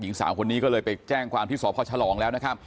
หญ่สาวคนนี้ไปแจ้งพอที่สอบความฉลอง